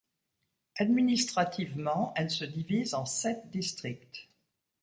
Administrativement, elle se divise en sept districts.